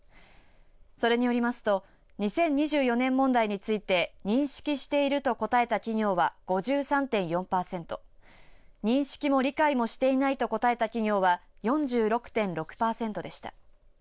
それによりますと２０２４年問題について認識していると答えた企業は５３．４パーセント認識も理解もしていないと答えた企業は４６．６パーセントでした。